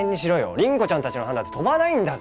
倫子ちゃんたちの班だって飛ばないんだぞ。